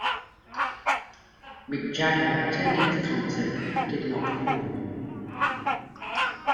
Mick Jagger attended the concert, but did not perform.